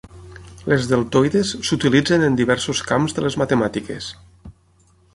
Les deltoides s'utilitzen en diversos camps de les matemàtiques.